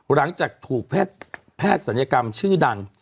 หลังจากถูกแพทย์ศัลยกรรมชื่อดัง